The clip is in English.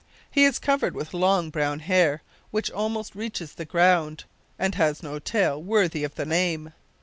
He is covered with long, brown hair, which almost reaches the ground, and has no tail worthy of the name.